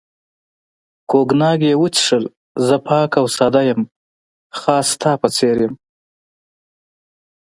کوګناک یې وڅښل، زه پاک او ساده یم، خاص ستا په څېر یم.